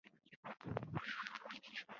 崇祯十二年庚辰科联捷进士。